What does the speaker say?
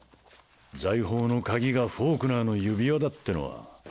財宝の鍵がフォークナーの指輪だってのは？